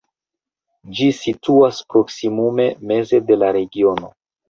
Ĝi situas proksimume meze de la regiono.